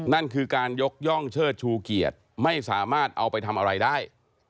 นั่นคือการยกย่องเชิดชูเกียรติไม่สามารถเอาไปทำอะไรได้